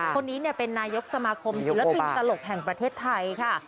คนนี้เป็นนายกสมาคมศิลปินตลกแห่งประเทศไทยค่ะ